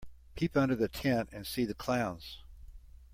Peep under the tent and see the clowns.